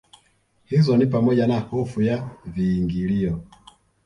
hizo ni pamoja na hofu ya viingilio